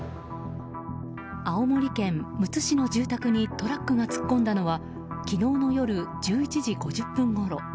青森県むつ市の住宅にトラックが突っ込んだのは昨日の夜１１時５０分ごろ。